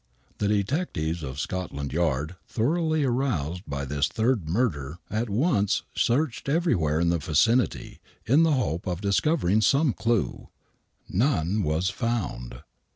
The detectives of Scotland Yard, thoroughly aroused by this third murder, at once searched everywhere in the vicinity, in the hope of discovering some clue. None was found.